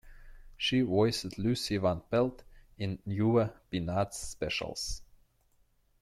She voiced Lucy van Pelt in newer "Peanuts" specials.